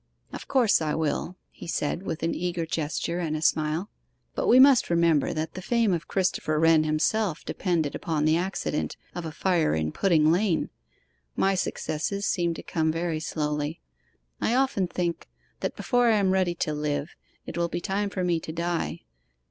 'Of course I will,' he said, with an eager gesture and smile. 'But we must remember that the fame of Christopher Wren himself depended upon the accident of a fire in Pudding Lane. My successes seem to come very slowly. I often think, that before I am ready to live, it will be time for me to die.